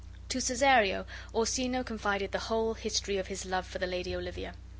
To Cesario Orsino confided the whole history of his love for the lady Olivia.